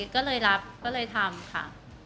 ก็เลยรับไปค่ะ